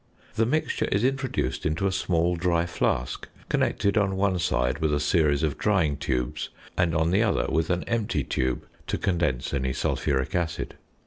The mixture is introduced into a small dry flask connected on one side with a series of drying tubes, and on the other with an empty tube (to condense any sulphuric acid).